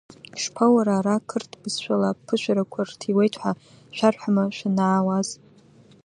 Ишԥа, уара, ара қырҭ бызшәала аԥышәарақәа рҭиуеит ҳәа шәарҳәама шәанаауаз?